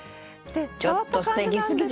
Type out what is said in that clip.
ちょっとすてきすぎじゃない？